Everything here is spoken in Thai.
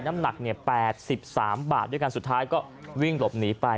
น้ำหนัก๘๓บาทด้วยกันสุดท้ายก็วิ่งหลบหนีไป